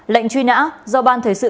lệnh truy nã do ban thời sự